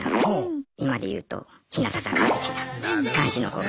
今で言うと日向坂みたいな感じの子が。